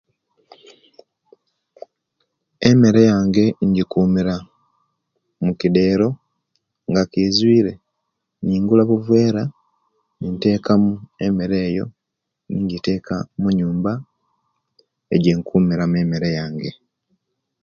Emere yange injikumira mukideero; nga kizwire, ngula obuvera nintekamu emere eyo ninjiteka munyumba ejenkkuumira mu emere yange.